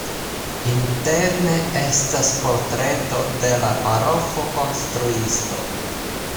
Interne estas portreto de la paroĥo-konstruisto.